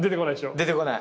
出てこない。